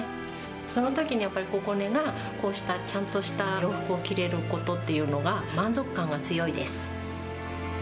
そのときにやっぱり、ここねがこうしたちゃんとした洋服を着れることっていうのが、満足感が強いです。